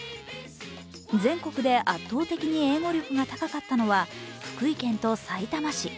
全国で圧倒的に英語力が高かったのは福井県とさいたま市。